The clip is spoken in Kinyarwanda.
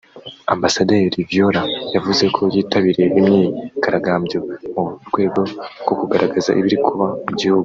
Ambasaderi Rivoal yavuze ko yitabiriye imyigaragambyo mu rwego rwo kugaragaza ibiri kuba mu gihugu